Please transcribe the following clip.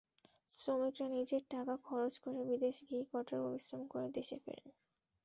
শ্রমিকেরা নিজেরা টাকা খরচ করে বিদেশ গিয়ে কঠোর পরিশ্রম করে দেশে ফেরেন।